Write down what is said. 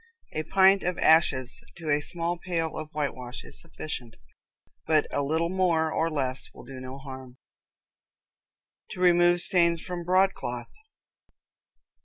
A pint of ashes to a small pail of whitewash is sufficient, but a little more or less will do no harm. To Remove Stains from Broadcloth.